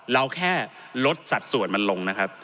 เราแค่ลดสัดส่วนมันลงนะครับ